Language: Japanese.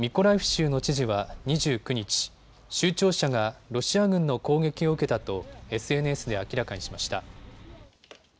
ミコライフ州の知事は２９日、州庁舎がロシア軍の攻撃を受けたとＳＮＳで明らかにしました。